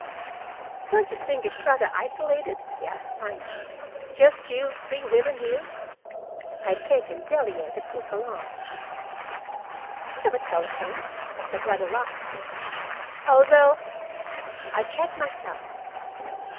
"Don't you think it's rather isolated?" he asked finally. "Just you three women here?" I had taken Delia, the cook, along. "We have a telephone," I said, rather loftily. "Although " I checked myself.